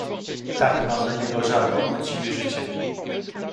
"Tak, mam do niego żal, bo mąci mi życie."